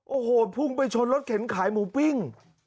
โอ้โหพุ่งไปชนรถเข็นขายหมูปิ้ง